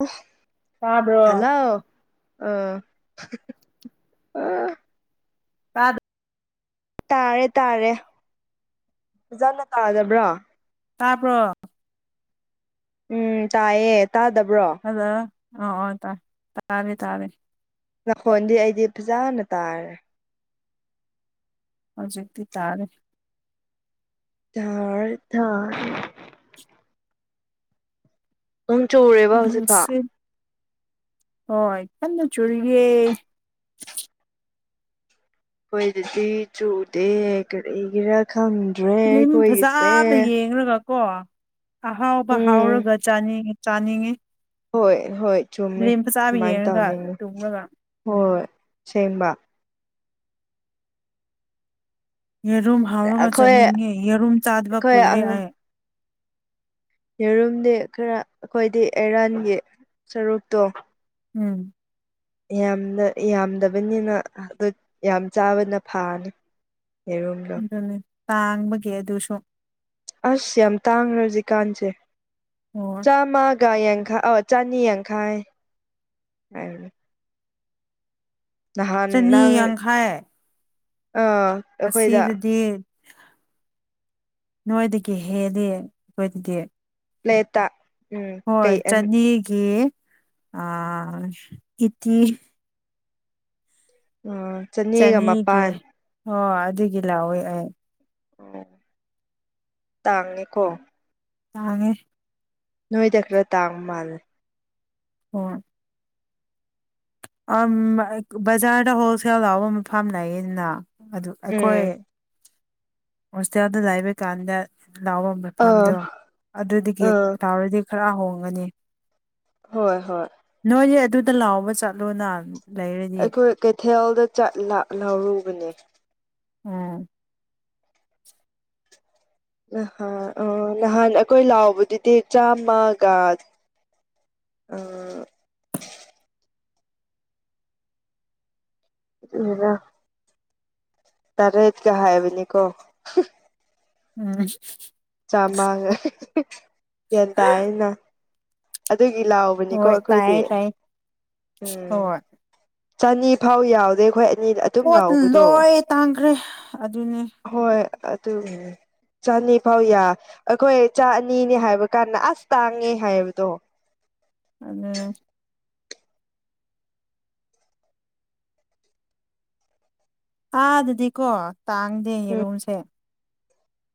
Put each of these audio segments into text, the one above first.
Up ꯇꯥꯕ꯭ꯔꯣ hello ꯑꯣ [unintelligible] ꯇꯥꯔꯦ ꯇꯥꯔꯦ ꯐꯖꯅ ꯇꯥꯗꯕ꯭ꯔꯣ ꯇꯥꯕ꯭ꯔꯣ ꯎꯝ ꯇꯥꯏꯌꯦ ꯇꯥꯗꯕ꯭ꯔꯣ ꯍꯥꯜꯂꯣ ꯑꯣ ꯑꯣ ꯇꯥꯏ ꯇꯥꯔꯦ ꯇꯥꯔꯦ ꯅꯥꯈꯣꯟꯗꯤ ꯑꯩꯗꯤ ꯐꯖꯅ ꯇꯥꯔꯦ ꯍꯧꯖꯤꯛꯇꯤ ꯇꯥꯔꯦ [unintelligible] ꯎꯝ ꯆꯨꯔꯦ ꯎꯝ ꯁꯤ ꯍꯣꯏ ꯀꯅ ꯆꯔꯤꯒꯦ ꯑꯩꯈꯣꯏꯗꯗꯤ ꯆꯨꯗꯦ ꯀꯔꯤꯒꯤꯔꯥ ꯈꯪꯗ꯭ꯔꯦ ꯑꯩꯈꯣꯏꯒꯤꯁꯦ ꯊꯦꯡꯔꯒ ꯀꯣ ꯑꯍꯥꯎꯕ ꯎꯝ ꯍꯥꯎꯔꯒ ꯆꯥꯅꯤꯡꯉꯤ ꯆꯥꯅꯤꯡꯉꯦ ꯍꯣꯏ ꯍꯣꯏ ꯆꯨꯝꯃꯦ ꯁꯨꯃꯥꯏꯅ ꯌꯦꯡꯔꯒ ꯇꯧꯅꯤꯡꯉꯤ ꯇꯨꯝꯔꯒ ꯍꯣꯏ ꯁꯦꯡꯕ ꯌꯦꯔꯨꯝ ꯍꯥꯎꯔꯒ ꯑꯩꯈꯣꯏ ꯑꯩꯈꯣꯏ ꯆꯥꯅꯤꯡꯉꯦ ꯌꯦꯔꯨꯝ ꯆꯥꯗꯕ ꯀꯨꯏꯔꯦ ꯑꯉꯥꯡ ꯑꯩ ꯌꯦꯔꯨꯝꯗꯤ ꯈꯔ ꯑꯩꯈꯣꯏꯗꯤ ꯑꯦꯔꯥꯟꯒꯤ ꯁꯔꯨꯛꯇꯣ ꯎꯝ ꯌꯥꯝꯅ ꯌꯥꯝꯗꯕꯅꯤꯅ ꯑꯗꯨ ꯌꯥꯝ ꯆꯥꯕꯅ ꯐꯥꯅꯤ ꯌꯦꯔꯨꯝꯗꯣ ꯑꯗꯨꯅꯤ ꯇꯥꯡꯕꯒꯤ ꯑꯗꯨꯁꯨ ꯑꯁ ꯌꯥꯝ ꯇꯥꯡꯈ꯭ꯔꯦ ꯍꯧꯖꯤꯛꯀꯥꯟꯁꯦ ꯍꯣꯏ ꯆꯥꯝꯃꯒ ꯌꯥꯡꯈꯩ ꯑ ꯆꯅꯤ ꯌꯥꯡꯈꯥꯏ ꯍꯥꯏꯕꯅꯦ ꯅꯍꯥꯟ ꯆꯅꯤ ꯅꯪ ꯌꯥꯡꯈꯩ ꯑꯥ ꯑꯩꯈꯣꯏꯗ ꯑꯁꯤꯗꯗꯤ ꯅꯣꯏꯗꯒꯤ ꯍꯦꯜꯂꯤ ꯑꯩꯈꯣꯏꯗꯗꯤ ꯂꯦꯇꯥ ꯍꯣꯏ ꯆꯅꯤꯒꯤ ꯑꯥ ꯏꯠꯇꯤ [unintelligible] ꯆꯅꯤꯒꯤ ꯃꯄꯥꯟ ꯍꯣ ꯑꯗꯨꯒꯤ ꯂꯥꯎꯑꯦ ꯑꯩ ꯑꯣ ꯇꯥꯡꯉꯦꯀꯣ ꯇꯥꯡꯉꯦ ꯅꯣꯏꯗ ꯈꯔ ꯇꯥꯡꯕ ꯃꯥꯜꯂꯦ ꯍꯣꯏ ꯑꯝ ꯑꯩ ꯕꯖꯥꯔꯗ ꯍꯣꯜꯁꯦꯜ ꯌꯥꯎꯕ ꯑꯃ ꯐꯥꯝꯅꯌꯦꯁꯤꯅ ꯑꯗꯨ ꯑꯩꯈꯣꯏ ꯎꯝ ꯍꯧꯁꯇꯦꯜ ꯗ ꯂꯥꯏꯕ ꯀꯥꯟꯗ ꯂꯥꯎꯕꯝꯕ ꯑꯥ ꯐꯥꯔꯝꯗꯣ ꯑꯗꯨꯒ ꯑꯥ ꯇꯎꯔꯗꯤ ꯈꯔ ꯍꯣꯡꯉꯅꯤ ꯍꯣꯏ ꯍꯣꯏ ꯅꯣꯏꯅꯤ ꯑꯗꯨꯗ ꯂꯥꯎꯕ ꯆꯠꯂꯣꯅ ꯂꯩꯔꯗꯤ ꯑꯩꯈꯣꯏ ꯀꯩꯊꯦꯜꯗ ꯆꯠ ꯂ ꯂꯧꯔꯨꯕꯅꯦ ꯎꯝ ꯅꯍꯥꯟ ꯑ ꯅꯍꯥꯟ ꯑꯩꯈꯣꯏ ꯂꯥꯎꯕꯗꯨꯗꯤ ꯆꯥꯝꯃꯒ ꯑꯥ [unintelligible] ꯇꯔꯦꯠ ꯀ ꯍꯥꯏꯕꯅꯤ ꯀꯣ ꯎꯝ ꯆꯥꯝꯃꯒ ꯒꯌꯥꯟ ꯇꯥꯏꯌꯦꯅ ꯑꯗꯨꯒꯤ ꯂꯥꯎ ꯍꯣꯏ ꯇꯥꯏ ꯇꯥꯏ ꯎꯝ ꯆꯅꯤ ꯐꯥꯎ ꯌꯥꯎꯗꯦ ꯑꯩꯈꯣꯏ ꯑꯅꯤ ꯑꯗꯨꯝ ꯄꯣꯠ ꯂꯥꯎꯕꯗꯣ ꯂꯣꯏ ꯇꯥꯡꯈ꯭ꯔꯦ ꯑꯗꯨꯅꯦ ꯍꯣꯏ ꯑꯗꯨꯒꯤꯅꯤ ꯆꯅꯤ ꯐꯥꯎ ꯌꯥ ꯑꯩꯈꯣꯏ ꯆꯥ ꯑꯅꯤꯅꯦ ꯍꯥꯏꯕ ꯀꯥꯟꯗ ꯑꯁ ꯇꯥꯡꯉꯦ ꯍꯥꯏꯕꯗꯣ ꯑꯗꯨꯅꯦ ꯑꯗꯗꯤꯀꯣ ꯇꯥꯡꯗꯦ ꯎꯝ ꯌꯦꯔꯨꯝꯁꯦ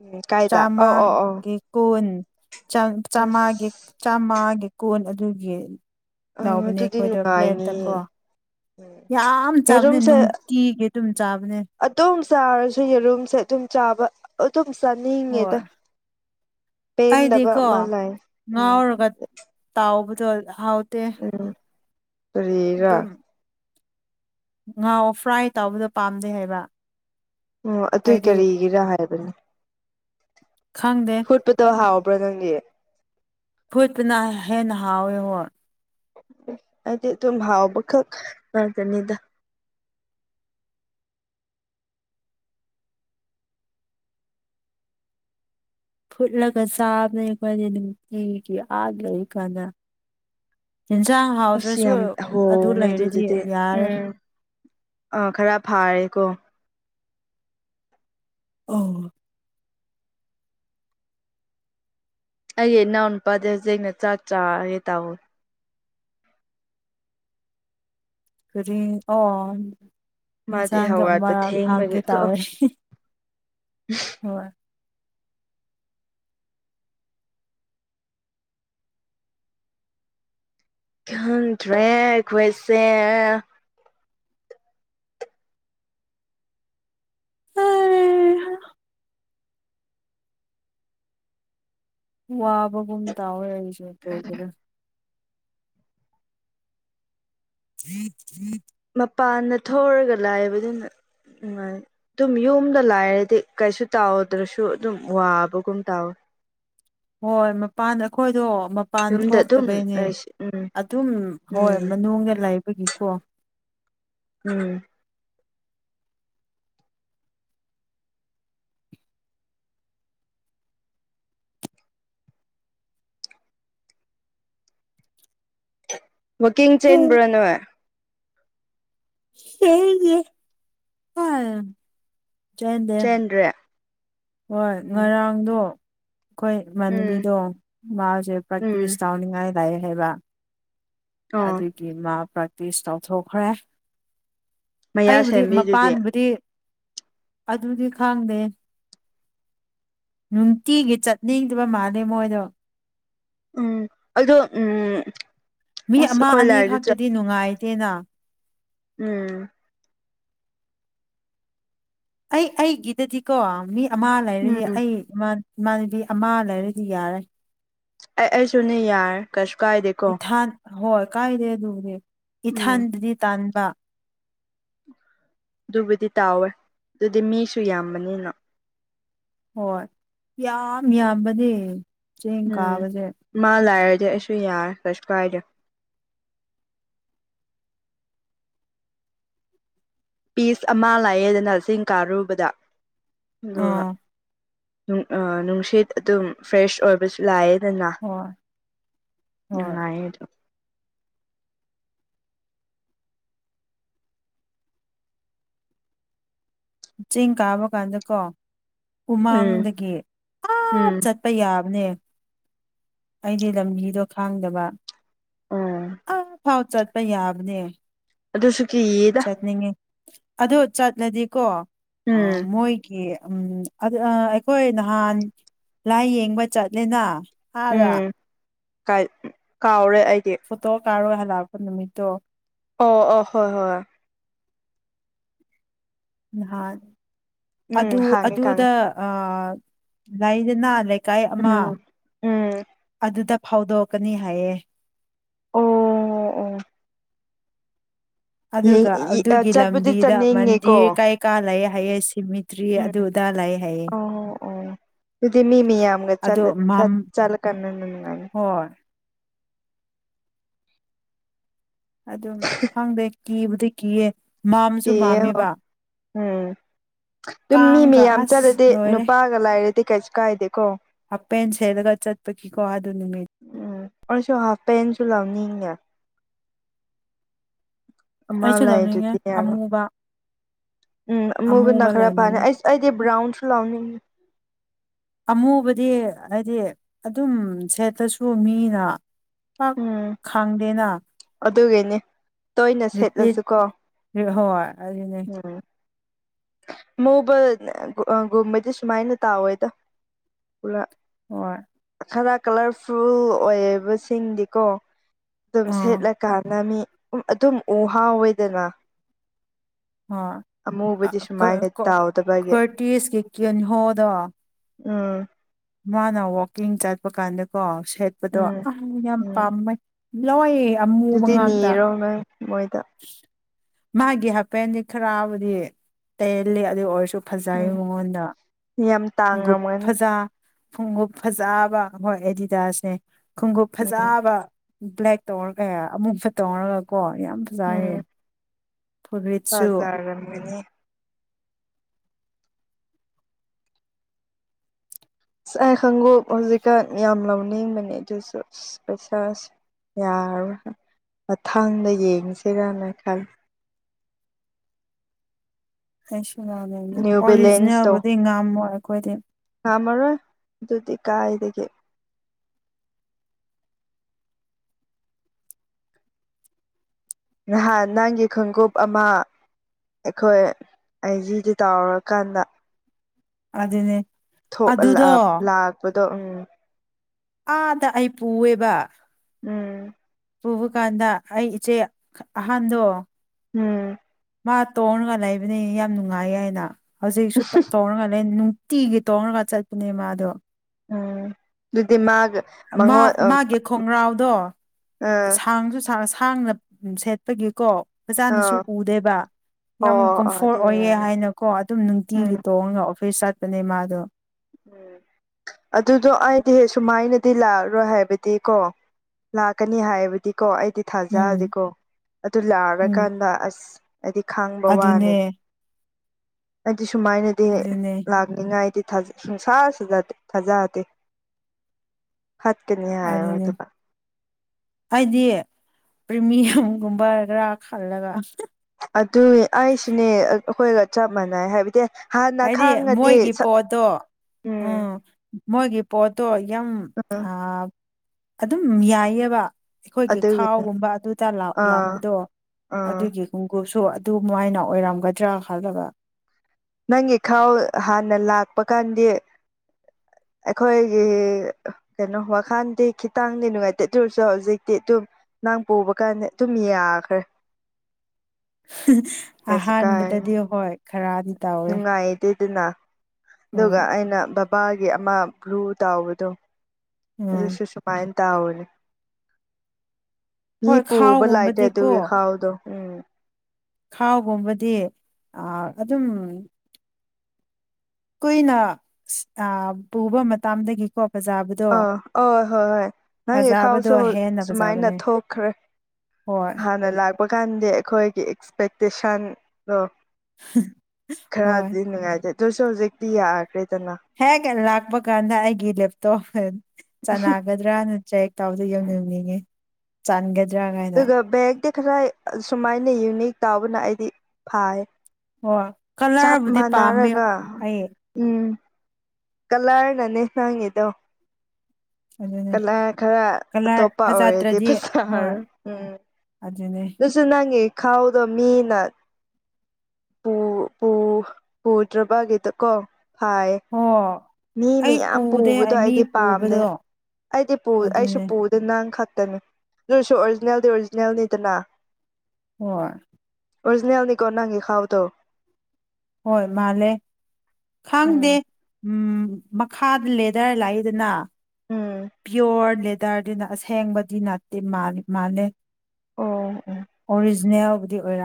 ꯎꯝ ꯀꯥꯏꯗ ꯑꯣ ꯑꯣ ꯑꯣ ꯆꯥꯝꯃꯒꯤ ꯀꯨꯟ ꯑꯁ ꯆꯥꯝꯆꯥꯝꯃꯒꯤ ꯆꯥꯝꯃꯒꯤ ꯀꯣꯟ ꯑꯗꯨꯒꯤ ꯑ ꯂꯥꯎꯕꯅꯦ ꯑꯗꯨꯗꯤ ꯑꯩꯈꯣꯏꯗꯣ ꯄ꯭ꯂꯦꯠꯇ ꯀꯣ ꯅꯨꯡꯉꯥꯏꯅꯤꯌꯦ ꯎꯝ ꯌꯥꯝ ꯆꯥꯕꯅꯦ ꯌꯦꯔꯨꯝꯁꯦ ꯅꯨꯡꯇꯤꯒꯤ ꯑꯗꯨꯝ ꯆꯥꯕꯅꯦ ꯑꯗꯨꯝ ꯆꯥꯔꯁꯨ ꯌꯦꯔꯨꯝꯁꯦ ꯑꯗꯨꯝ ꯆꯥꯕ ꯑꯗꯨꯝ ꯍꯣꯏ ꯆꯥꯅꯤꯡꯉꯦꯗ ꯄꯦꯟꯗꯕ ꯑꯩꯗꯤꯀꯣ ꯑꯃ ꯂꯩ ꯎꯝ ꯉꯥꯎꯔꯒ ꯇꯥꯎꯕꯗꯣ ꯍꯥꯎꯇꯦ ꯎꯝ ꯀꯔꯤꯔ ꯉꯥꯎꯑꯣ ꯐ꯭ꯔꯥꯏ ꯇꯥꯎꯕꯗꯣ ꯄꯥꯝꯗꯦ ꯍꯥꯏꯕ ꯑꯣ ꯑꯗꯨꯏ ꯑꯩꯗꯤ ꯀꯔꯤꯒꯤꯔ ꯍꯥꯏꯕꯅꯤ ꯈꯪꯗꯦ ꯐꯨꯠꯄꯗꯣ ꯍꯥꯎꯕ꯭ꯔꯥ ꯅꯪꯒꯤ ꯐꯨꯠꯄꯅ ꯍꯦꯟꯅ ꯍꯥꯎꯋꯦ ꯍꯣꯏ ꯍꯥꯏꯗꯤ ꯑꯗꯨꯝ ꯍꯥꯎꯕꯈꯛ ꯉꯥꯛꯇꯅꯤꯗ ꯐꯨꯠꯂꯒ ꯆꯥꯕꯅꯦ ꯑꯩꯈꯣꯏꯗꯤ ꯅꯨꯡꯇꯤꯒꯤ ꯑꯥꯗ ꯂꯩ ꯀꯥꯟꯗ ꯑꯦꯟꯁꯥꯡ ꯑꯁ ꯍꯥꯎꯗ꯭ꯔꯁꯨ ꯌꯥꯝ ꯑꯗꯨ ꯍꯣꯡꯉꯦ ꯂꯩꯔꯗꯤ ꯑꯗꯨꯗꯨꯗꯤ ꯌꯥꯔꯦ ꯎꯝ ꯑꯥ ꯈꯔ ꯐꯥꯔꯦꯀꯣ ꯎꯝ ꯑꯩꯒꯤ ꯏꯅꯥꯎ ꯅꯨꯄꯥꯗ ꯍꯧꯖꯤꯛꯅꯦ ꯆꯥꯛ ꯆꯥꯔꯒꯦ ꯇꯥꯋꯦ ꯀꯔꯤ ꯑꯣ ꯃꯥꯗꯤ ꯌꯦꯟꯁꯥꯡꯗꯣ ꯑꯃ ꯍꯧꯒꯠꯄ ꯍꯥꯡꯒꯦ ꯊꯦꯡꯕꯒꯤꯀꯣ ꯇꯥꯎꯋꯦ [unintelligible] ꯍꯣꯏ ꯈꯪꯗ꯭ꯔꯦ ꯑꯩꯈꯣꯏꯁꯦ ꯋꯥꯕꯒꯨꯝ ꯇꯧꯋꯦ ꯑꯩꯁꯨ ꯀꯩꯒꯤꯔ꯫ [unintelligible] ꯃꯄꯥꯟꯗ ꯊꯣꯛꯔꯒ ꯂꯩꯏꯕꯅꯤꯅ ꯅꯨꯡꯉꯥꯢ꯫ ꯇꯨꯝ ꯌꯨꯝꯗ ꯂꯥꯏꯔꯗꯤ ꯀꯩꯁꯨ ꯇꯥꯎꯗ꯭ꯔꯁꯨ ꯑꯗꯨꯝ ꯋꯥꯕꯒꯨꯝ ꯇꯧꯋꯦ꯫ ꯍꯣꯏ ꯃꯄꯥꯟꯗ ꯑꯩꯈꯣꯏꯗꯣ꯫ ꯄꯥꯟ ꯌꯨꯝꯗ ꯑꯗꯨꯝ ꯊꯣꯛꯇꯕꯩꯅꯦ ꯂꯩꯁꯤ ꯎꯝ ꯑꯗꯨꯝ ꯍꯣꯏ ꯎꯝ ꯃꯅꯨꯡꯗ ꯂꯩꯕꯒꯤꯀꯣ꯫ ꯎꯝ꯫ ꯋꯥꯀꯤꯡ ꯆꯦꯟꯕ꯭ꯔꯥ ꯅꯣꯥꯏ꯫ [unintelligible] ꯆꯦꯟꯗꯦ꯫ ꯆꯦꯟꯗ꯭ꯔꯦ ꯍꯣꯏ ꯎꯝ ꯉꯔꯥꯡꯗꯣ꯫ ꯑꯩꯈꯣꯏ ꯎꯝ ꯏꯃꯅꯕꯤꯗꯣ ꯃꯥꯁꯦ ꯄ꯭ꯔꯦꯛꯇꯤꯁ ꯎꯝ ꯇꯧꯅꯤꯡꯉꯥꯏ ꯂꯥꯛꯑꯦ ꯍꯥꯏꯕ꯫ ꯑꯣ ꯑꯗꯨꯒꯤ ꯃꯥ ꯄ꯭ꯔꯦꯛꯇꯤꯁ ꯇꯧꯊꯣꯛꯈ꯭ꯔꯦ ꯃꯌꯥ ꯑꯩꯕꯨꯗꯤ ꯁꯦꯝꯕꯤꯗꯨꯗꯤ ꯃꯄꯥꯟꯕꯨꯗꯤ ꯑꯗꯨꯗꯤ ꯈꯪꯗꯦ ꯅꯨꯡꯇꯤꯒꯤ ꯆꯠꯅꯤꯡꯗꯕ ꯃꯥꯜꯂꯦ ꯃꯣꯏꯗꯣ ꯎꯝ ꯑꯩꯗꫭ ꯎꯝ ꯃꯤ ꯑꯁ ꯑꯃ ꯑꯩꯈꯣꯏ ꯑꯅꯤ ꯂꯥꯏꯔꯤꯛꯗ ꯆꯠ ꯈꯛꯇꯗꯤ ꯅꯨꯡꯉꯥꯏꯇꯦꯅ ꯎꯝ ꯑꯩ ꯑꯩꯒꯤꯗꯗꯤꯀꯣ ꯃꯤ ꯑꯃ ꯂꯩꯔꯗꯤ ꯎꯝ ꯑꯩ ꯃꯥꯟ ꯏꯃꯥꯟꯅꯕꯤ ꯑꯃ ꯂꯩꯔꯗꯤ ꯌꯥꯔꯦ ꯑꯩ ꯑꯩꯁꯨꯅꯦ ꯌꯥꯔꯦ ꯀꯩꯁꯨ ꯀꯥꯏꯗꯦ ꯏꯊꯥꯟ ꯍꯣꯏ ꯀꯥꯏꯗꯦ ꯑꯗꯨꯕꯨꯗꯤ ꯎꯝ ꯏꯊꯥꯟꯗꯗꯤ ꯇꯥꯟꯕ ꯑꯗꯨꯕꯨꯗꯤ ꯇꯥꯎꯋꯦ ꯑꯗꯨꯗꯤ ꯃꯤꯁꯨ ꯌꯥꯝꯕꯅꯤꯅ ꯍꯣꯏ ꯌꯥꯝ ꯌꯥꯝꯕꯅꯦ ꯆꯤꯡ ꯎꯝ ꯀꯥꯕꯁꯦ ꯃꯥ ꯂꯩꯔꯗꯤ ꯑꯩꯁꯨ ꯌꯥꯔꯦ ꯀꯩꯁꯨ ꯀꯥꯏꯗꯦ ꯄꯤꯁ ꯑꯃ ꯂꯩꯌꯦꯗꯅ ꯆꯤꯡ ꯀꯥꯔꯨꯕꯗ ꯑꯗꯨꯒ ꯑꯥ ꯑ ꯅꯨꯡꯁꯤꯠ ꯑꯗꯨꯝ ꯐ꯭ꯔꯦꯁ ꯑꯣꯏꯕꯁꯨ ꯂꯩꯌꯦꯗꯅꯥ ꯍꯣꯏ ꯍꯣꯏ ꯅꯨꯡꯉꯥꯏꯌꯦ ꯑꯗꯨꯝ ꯆꯤꯡ ꯀꯥꯕ ꯀꯥꯟꯗꯀꯣ ꯎꯝ ꯎꯃꯪꯗꯒꯤ ꯑꯥ ꯎꯝ ꯆꯠ ꯄ ꯌꯥꯕꯅꯦ ꯑꯩꯗꯤ ꯂꯝꯕꯤꯗꯣ ꯈꯪꯗꯕ ꯎꯝ ꯐꯥꯎ ꯆꯠꯄ ꯌꯥꯕꯅꯦ ꯑꯗꯨꯁꯨ ꯀꯤꯌꯦꯗ ꯆꯠꯅꯤꯡꯉꯦ ꯑꯗꯨ ꯆꯠꯂꯗꯤꯀꯣ ꯎꯝ ꯃꯣꯏ ꯎꯝ ꯑꯩꯈꯣꯏ ꯅꯍꯥꯟ ꯂꯥꯏ ꯌꯦꯡꯕ ꯆꯠꯂꯦꯅ ꯑꯗꯥ ꯎꯝ ꯀꯥꯎꯔꯦ ꯑꯩꯗꯤ ꯐꯇꯣ ꯀꯥꯞꯔꯨꯔ ꯍꯜꯂꯛꯄ‌ ꯅꯨꯃꯤꯠꯇꫭ ꯑꯣ ꯑꯣ ꯍꯣꯏ ꯍꯣꯏ ꯍꯣꯏ ꯅꯍꯥꯟ ꯎꯝ ꯑꯗꯨ ꯍꯥꯡꯉꯦ ꯑꯗꯨꯗ ꯈꯪꯉꯦ ꯑꯥ ꯂꯩꯗꯅ ꯂꯩꯀꯥꯏ ꯑꯃ ꯎꯝ ꯎꯝ ꯑꯗꯨꯗ ꯐꯧꯗꯣꯛꯀꯅꯤ ꯍꯥꯏꯌꯦ ꯑꯣ ꯑꯣ ꯑꯗꯨꯒ ꯑꯣ ꯑꯗꯨꯒꯤ ꯆꯠꯄꯨꯗꯤ ꯂꯝꯕꯤꯗ ꯆꯠꯅꯤꯡꯉꯦꯀꯣ ꯃꯟꯗꯤꯔ ꯀꯩ ꯀꯥ ꯂꯩ ꯍꯥꯏꯌꯦ ꯁꯤꯃꯤꯠ ꯇ꯭ꯔꯤ ꯎꯝ ꯑꯗꯨꯗꯥ ꯂꯩꯌꯦ ꯍꯥꯏꯌꯦ ꯑꯣ ꯑꯣ ꯑꯗꯨꯗꯤ ꯃꯤ ꯃꯤꯌꯥꯝꯒ ꯆꯠ ꯑꯗꯣ ꯃꯝ ꯆꯠꯂꯀꯟꯗ ꯅꯨꯡꯉꯥꯏꯅꯤ ꯍꯣꯏ ꯑꯗꯨꯝ ꯈꯪꯗꯦ ꯀꯤꯕꯨꯗꯤ ꯀꯤꯌꯦ ꯃꯝꯁꯨ ꯀꯤꯌꯦ ꯍꯣ ꯃꯝꯃꯦꯕ ꯎꯝ ꯑꯗꯨꯝ ꯃꯤ ꯀꯥꯡꯒ ꯃꯌꯥꯝ ꯑꯁ ꯆꯠꯂꯗꯤ ꯂꯣꯏꯔꯦ ꯅꯨꯄꯥ ꯂꯥꯏꯔꯗꯤ ꯀꯩꯁꯨ ꯀꯥꯥꯏꯗꯦꯀꯣ ꯍꯥꯄꯦꯟ ꯁꯦꯠꯔꯒ ꯆꯠꯄꯒꯤ ꯀꯣ ꯑꯗꯨ ꯅꯨꯃꯤꯠ ꯎꯝ ꯑꯩꯁꯨ ꯍꯥꯐꯄꯦꯟꯁꯨ ꯂꯧꯅꯤꯡꯉꯤꯅꯦ ꯑꯃ ꯑꯩꯁꯨ ꯂꯧꯅꯤꯡꯉꯦ ꯂꯩꯗ꯭ꯔꯗꯤ ꯌꯥꯔꯣꯏ ꯑꯃꯨꯕ ꯎꯝ ꯑꯃꯕꯨ ꯅꯥ ꯑꯃꯨꯕ ꯈꯔ ꯐꯥꯅꯤ ꯂꯧꯅꯤꯡꯉꯦ ꯑꯩ ꯑꯩꯗꯤ ꯕꯔꯥꯎꯟꯁꯨ ꯂꯥꯎꯅꯤꯡꯉꯤ ꯑꯃꯨꯕꯗꯤ ꯍꯥꯏꯗꯤ ꯑꯗꯨꯝ ꯁꯦꯠꯇ꯭ꯔꯁꯨ ꯃꯤꯅ ꯄꯥꯛ ꯎꯝ ꯈꯪꯗꯦꯅ ꯑꯗꯨꯒꯤꯅꯤ ꯇꯣꯏꯅ ꯔꯤꯄꯤꯠ ꯁꯦꯠꯂꯁꯨꯀꯣ ꯍꯣꯏ ꯑꯗꯨꯅꯦ ꯎꯝ ꯑꯃꯨꯕ [unintelligible] ꯒꯨꯝꯕꯗꯤ ꯁꯨꯃꯥꯏꯅ ꯇꯥꯎꯋꯦꯗ ꯄꯨꯔꯥ ꯍꯣꯢ ꯈꯔ ꯀꯂꯔꯐꯨꯜ ꯑꯣꯏꯌꯦꯕꯁꯤꯡꯗꯤꯀꯣ ꯑꯗꯨꯝ ꯑꯥ ꯁꯦꯠꯂꯀꯥꯟꯗ ꯃꯤ ꯑꯗꯨꯝ ꯎ ꯍꯥꯎꯋꯦꯗꯅ ꯑꯃꯨꯕꯗꯤ [unintelligible] ꯁꯨꯃꯥꯏꯅ ꯇꯥꯎꯗꯕꯒꯤ ꯀꯣꯔꯇꯤꯁꯀꯤ ꯀꯦꯟꯍꯣꯗꯣ ꯎꯝ ꯃꯥꯅ ꯋꯥꯛꯀꯤꯡ ꯆꯠꯄ ꯀꯥꯟꯗꯀꯣ ꯁꯦꯠꯄꯗꯣ ꯎꯝ ꯑꯥ ꯌꯥꯝ ꯎꯝ ꯄꯥꯝꯃꯦ ꯂꯧꯏꯌꯦ ꯑꯃꯨꯕ ꯑꯗꯨꯗꯤ ꯉꯥꯛꯇ ꯅꯤꯔꯣ ꯅꯪ ꯃꯣꯏꯗ ꯃꯥꯒꯤ ꯍꯥꯏꯄꯦꯟꯗꯤ ꯈꯔꯥꯕꯨꯗꯤ ꯇꯦꯜꯂꯤ ꯑꯗꯨ ꯑꯣꯏꯔꯁꯨ ꯐꯖꯩ ꯎꯝ ꯃꯉꯣꯟꯗ ꯌꯥꯝ ꯎꯨꯞ ꯇꯥꯡꯉꯝꯒꯅꯤ ꯐꯖ ꯈꯨꯡꯎꯞ ꯐꯖꯕ ꯍꯣꯏ ꯑꯦꯗꯤꯗꯥꯁꯅꯦ ꯈꯨꯡꯎꯞ ꯎꯝ ꯐꯖꯕ ꯕ꯭ꯂꯦꯛ ꯇꯧꯔꯒ ꯑꯃꯨꯛ ꯐ ꯇꯣꯡꯔꯒꯀꯣ ꯌꯥꯝ ꯐꯖꯥꯏꯌꯦ ꯐꯖꯥꯔꯝꯒꯅꯤ ꯑꯁ ꯑꯥꯏ ꯈꯪꯎꯞ ꯍꯧꯖꯤꯛꯀꯥꯟ ꯌꯥꯝ ꯂꯧꯅꯤꯡꯕꯅꯦ ꯑꯗꯨꯁꯨ ꯑꯁ ꯄꯩꯁꯥꯁꯦ ꯌꯥꯔꯔꯣꯏ ꯃꯊꯪꯗ ꯌꯦꯡꯁꯤꯔꯅ ꯈꯜꯂꯤ ꯑꯩꯁꯨ ꯂꯅꯤꯡꯉꯦ ꯅ꯭ꯌꯨ ꯕꯦꯂꯦꯟꯁꯇꯣ ꯑꯣꯔꯤꯖꯤꯅꯦꯜꯕꯨꯗꯤ ꯉꯝꯃꯣꯏ ꯑꯈꯣꯏꯗꯤ ꯉꯝꯃꯔꯣꯏ ꯑꯗꯨꯗꯤ ꯀꯥꯏꯗꯒꯤ ꯅꯍꯥꯟ ꯅꯪꯒꯤ ꯈꯣꯡꯒꯨꯞ ꯑꯃ ꯑꯩꯈꯣꯏ ꯑꯢꯖꯤꯗ ꯇꯥꯎꯔꯀꯥꯟꯗ ꯑꯗꯨꯅꯦ ꯊꯣꯛ ꯑꯗꯨꯗꯣ [unintelligible] ꯂꯥꯛꯄꯗꯣ ꯎꯝ ꯑꯥꯗ ꯑꯩ ꯄꯨꯌꯦꯕ ꯎꯝ ꯄꯨꯕ ꯀꯥꯟꯗ ꯑꯩ ꯏꯆꯦ ꯑꯍꯥꯟꯗꯣ ꯎꯝ ꯃꯥ ꯇꯣꯡꯔꯒ ꯂꯩꯕꯅꯤ ꯌꯥꯝ ꯅꯨꯡꯉꯥꯏꯌꯦ ꯍꯥꯏꯅ ꯍꯧꯖꯤꯛꯁꯨ [unintelligible] ꯇꯣꯡꯔꯒ ꯂꯩ ꯇꯤꯒꯤ ꯇꯣꯡꯔꯒ ꯆꯠꯄꯅꯦ ꯃꯥꯗꯣ ꯎꯝ ꯑꯗꯨꯗꯤ ꯃꯥꯒ ꯃꯥ ꯃꯉꯣꯟ ꯑ ꯃꯥꯒꯤ ꯈꯣꯡꯉ꯭ꯔꯥꯎꯗꯣ ꯑꯥ ꯁꯥꯡꯁꯨ ꯁꯥꯡ ꯁꯥꯡꯅ ꯗꯨꯝ ꯁꯦꯠꯄꯒꯤꯀꯣ ꯑꯣ ꯐꯖꯥꯅꯁꯨ ꯎꯗꯦꯕ ꯌꯥꯝ ꯑꯣ ꯀꯝꯐꯣꯔ ꯑꯗꯨ ꯑꯣꯏꯌꯦ ꯑꯣꯏꯔꯝꯅꯤ ꯍꯥꯏꯅꯀꯣ ꯑꯗꯨꯝ ꯅꯨꯡꯇꯤꯒꯤ ꯎꯝ ꯇꯣꯡꯉꯒ ꯑꯣꯐꯤꯁ ꯆꯠꯄꯅꯦ ꯃꯥꯗꯣ ꯎꯝ ꯑꯗꯨꯗꯣ ꯑꯩꯗꯤ ꯁꯨꯃꯥꯏꯅꯗꯤ ꯂꯥꯛꯑꯔꯣꯏ ꯍꯥꯏꯕꯗꯤ ꯀꯣ ꯂꯥꯛꯀꯅꯤ ꯍꯥꯏꯕꯗꯤꯀꯣ ꯑꯩꯗꯤ ꯎꯝ ꯊꯥꯖꯗꯦꯀꯣ ꯑꯗꯨ ꯎꯝ ꯂꯥꯛꯔꯀꯥꯟꯗ ꯑꯁ ꯑꯩꯗꯤ ꯈꯪꯕ ꯋꯥꯅꯦ ꯑꯗꯨꯅꯦ ꯑꯩꯗꯤ ꯁꯨꯃꯥꯏꯅꯗꯤ ꯑꯗꯨꯅꯦ ꯂꯥꯛꯅꯤꯉꯥꯏꯗꯤ ꯊꯥꯖꯩ ꯁꯨꯨꯡꯁꯥꯁꯨꯖꯦ ꯊꯥꯖꯗꯦ ꯐꯠꯀꯅꯤ ꯍꯥꯏꯔ ꯑꯗꯨꯗ ꯍꯥꯏꯗꯤ ꯄ꯭ꯔꯤꯃꯤꯌꯝꯒꯨꯝꯕ ꯈꯔꯥ ꯈꯜꯂꯒ ꯑꯗꯨꯏ ꯑꯩꯁꯤꯅꯦ ꯑꯈꯣꯏꯒ ꯆꯞ ꯃꯥꯟꯅꯩ ꯍꯥꯏꯕꯗꯤ ꯍꯥꯟꯅ ꯍꯥꯏꯗꯤ ꯈꯥꯡꯉꯗꯤ ꯃꯣꯏꯒꯤ ꯄꯣꯠꯇꯣ ꯎꯝ ꯃꯣꯏꯒꯤ ꯄꯣꯠꯇꯣ ꯌꯥꯝ ꯎꯝ ꯊꯥ ꯑꯗꯨꯝ ꯌꯥꯏꯑꯕ ꯑꯈꯣꯏꯒꯤ ꯑꯗꯨꯒꯤꯅꯤ ꯊꯥꯎꯒꯨꯝꯕ ꯑꯗꯨꯗ ꯑꯥ ꯂꯥꯛꯄꯗꯣ ꯑꯥ ꯑꯗꯨꯒꯤ ꯈꯨꯡꯒꯨꯞꯁꯨ ꯑꯗꯨ ꯃꯥꯏꯅ ꯑꯣꯏꯔꯝꯒꯗ꯭ꯔꯥ ꯈꯜꯂꯒ ꯅꯪꯒꯤ ꯈꯥꯎ ꯍꯥꯟꯅ ꯂꯥꯛꯄ ꯀꯥꯟꯗꯤ ꯑꯩꯈꯣꯏꯒꯤ ꯀꯩꯅꯣ ꯋꯥꯈꯜꯗꯤ ꯈꯤꯇꯪꯗꯤ ꯅꯨꯡꯉꯥꯏꯇꯦ ꯑꯗꯨ ꯑꯣꯏꯔꯁꯨ ꯍꯧꯖꯤꯛꯇꯤ ꯑꯗꯨꯝ ꯅꯪ ꯄꯨꯕ ꯀꯥꯟꯗ ꯑꯗꯨꯝ ꯌꯥꯈ꯭ꯔꯦ ꯀꯩꯁꯨ ꯀꯥꯏ ꯑꯍꯥꯟꯕꯗꯗꯤ ꯍꯣꯏ ꯈꯔꯗꯤ ꯇꯧꯋꯦ ꯅꯨꯡꯉꯥꯏꯇꯦꯗꯅ ꯍꯣꯏ ꯑꯗꯨꯒ ꯑꯩꯅ ꯕꯞ ꯕꯥꯒꯤ ꯑꯃ ꯕ꯭ꯂꯨ ꯇꯥꯎꯕꯗꯣ ꯎꯝ ꯑꯗꯨꯁꯨ ꯁꯨꯝ ꯃꯥꯏꯅ ꯇꯧꯕꯅꯦ ꯃꯤ ꯍꯣꯏ ꯄꯨꯕ ꯂꯥꯏꯇꯦ ꯈꯥꯎꯒꯨꯝꯕꯗꯤꯀꯣ ꯑꯗꯨꯒꯤ ꯈꯥꯎꯗꯣ꯫ ꯎꯝ ꯈꯥꯎꯒꯨꯝꯕꯗꯤ ꯑꯥ ꯑꯗꯨꯝ ꯀꯨꯏꯅ ꯁꯤ ꯑꯥ ꯄꯨꯕ ꯃꯇꯝꯗꯒꯤꯀꯣ ꯐꯖꯥꯕ ꯑꯥ ꯑꯧ ꯍꯣꯏ ꯍꯣꯏ ꯅꯪꯒꯤ ꯐꯖꯕꯗꯣ ꯈꯥꯎꯁꯨ ꯍꯦꯟꯅ ꯁꯨꯃꯥꯏꯅ ꯐꯖꯕꯅꯦ ꯊꯣꯛꯈ꯭ꯔꯦ ꯍꯣꯏ ꯍꯥꯟꯅ ꯂꯥꯛꯄ ꯀꯥꯟꯗꯤ ꯑꯩꯈꯣꯏꯒꯤ ꯑꯦꯛꯁꯄꯦꯛꯇꯦꯁꯟꯗꯣ ꯍꯣꯏ ꯈꯔꯗꯤ ꯅꯨꯡꯉꯥꯏꯇꯦ ꯑꯗꯨꯁꯨ ꯍꯧꯖꯤꯛꯇꯤ ꯌꯥꯗ꯭ꯔꯦꯗꯅ꯫ ꯍꯦꯛ ꯂꯥꯛꯄ ꯀꯥꯟꯗ ꯑꯩꯒꯤ ꯂꯦꯞꯇꯣꯞ ꯆꯅꯒꯅꯤ ꯗ꯭ꯔꯥꯅ ꯆꯌꯦꯛ ꯇꯥꯎꯕꯗ ꯎꯝ ꯌꯧꯅꯤꯡꯅꯤꯡꯉꯦ ꯆꯟꯒꯗ꯭ꯔꯥꯅꯥ ꯑꯗꯨꯒ ꯕꯦꯒꯇꯤ ꯈꯔ ꯁꯨꯃꯥꯏꯅ ꯌꯨꯅꯤꯛ ꯇꯥꯎꯕꯅ ꯑꯩꯗꯤ ꯐꯥꯏꯌꯦ꯫ ꯑꯣ ꯀꯂꯔꯕꯨꯗꯤ ꯄꯥꯝꯃꯦ ꯑꯩ ꯎꯝ ꯀꯂꯔꯅꯅꯦ ꯅꯪꯉꯤꯗꯣ ꯎꯝ ꯈꯔ ꯀꯂꯔ ꯑꯇꯣꯞꯄ ꯑꯣꯏꯔꯗꯤ ꯐꯖꯗ꯭ꯔꯗꯤ ꯍꯣꯏ ꯑꯗꯨꯅꯤ ꯇꯁꯨ ꯅꯪꯒꯤ ꯈꯥꯎꯗꯣ ꯃꯤꯅ ꯄꯨ ꯄꯨ ꯄꯨꯗ꯭ꯔꯕꯒꯤꯗ ꯀꯣ ꯐꯥꯏꯌꯦ꯫ ꯑꯣ ꯃꯤ ꯃꯤꯌꯥꯝ ꯄꯨꯕꯗꯣ ꯑꯩꯗꯤ ꯄꯥꯝꯗꯦ ꯑꯩꯗꯤ ꯄꯨ ꯑꯩꯁꯨ ꯑꯗꯨꯅꯦ ꯄꯨ ꯑꯗꯨ ꯅꯪ ꯈꯛꯇꯅꯤ ꯑꯗꯨꯁꯨ ꯑꯣꯔꯤꯖꯤꯅꯦꯜꯗꯤ ꯑꯣꯔꯤꯖꯤꯅꯦꯜꯅꯤꯗꯅ꯫ ꯍꯣꯏ ꯑꯣꯔꯤꯖꯤꯅꯜ ꯀꯣꯅꯥꯒꯤ ꯈꯥꯎꯕ ꯗꯣ ꯍꯣꯏ ꯃꯥꯜꯂꯦ ꯎꯝ ꯈꯪꯗꯦ ꯎꯝ ꯃꯈꯥꯗ ꯂꯦꯗꯔ ꯂꯥꯛꯏꯗꯅ ꯎꯝ ꯄꯤꯌꯣꯔ ꯂꯦ ꯗꯔꯗꯤꯅ ꯑꯁꯦꯡꯕꯗꯤ ꯅꯠꯇꯦ ꯃꯥꯂꯤ ꯃꯥꯂꯦ ꯑꯣ ꯎꯝ ꯑꯣꯔꯤꯖꯤ ꯅꯦꯜꯕꯨꯗꯤ ꯑꯣꯏꯔꯝ